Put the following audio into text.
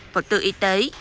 và tư y tế